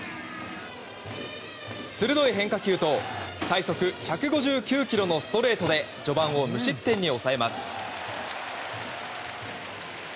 鋭い変化球と最速１５９キロのストレートで序盤を無失点に抑えます。